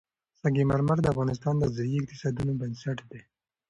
سنگ مرمر د افغانستان د ځایي اقتصادونو بنسټ دی.